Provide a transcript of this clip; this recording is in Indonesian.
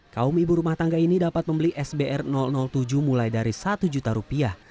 kaum ibu rumah tangga ini dapat membeli sbr tujuh mulai dari satu juta rupiah